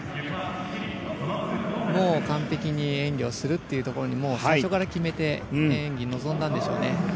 もう完璧に演技をするというところに最初から決めて演技に臨んだんでしょうね。